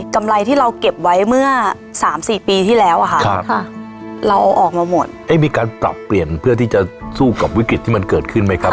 ไรที่เราเก็บไว้เมื่อสามสี่ปีที่แล้วอะค่ะเราเอาออกมาหมดเอ๊ะมีการปรับเปลี่ยนเพื่อที่จะสู้กับวิกฤตที่มันเกิดขึ้นไหมครับ